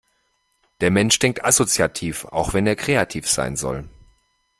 Der Mensch denkt assoziativ, auch wenn er kreativ sein soll.